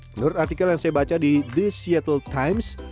menurut artikel yang saya baca di the seattle times